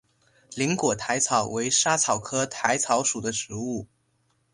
菱果薹草为莎草科薹草属的植物。